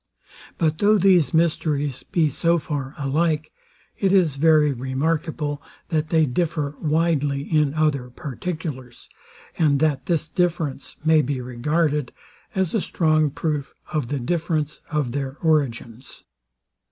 But though these mysteries be so far alike, it is very remarkable, that they differ widely in other particulars, and that this difference may be regarded as a strong proof of the difference of their origins.